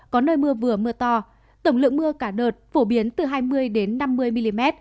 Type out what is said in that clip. có nơi mưa vừa mưa to tổng lượng mưa cả đợt phổ biến từ hai mươi năm mươi mm